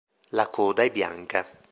La coda è bianca.